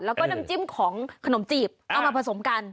แล้วก็น้ำจิ้มของขนมจีบเอามาผสมกัน